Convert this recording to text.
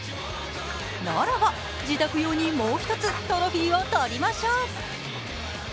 ならば自宅用にもう一つトロフィーをとりましょう！